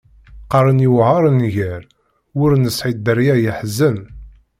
Qqaren yewεer nnger, w’ur nesεi dderya yeḥzen.